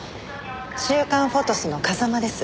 『週刊フォトス』の風間です。